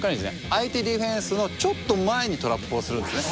相手ディフェンスのちょっと前にトラップをするんですね。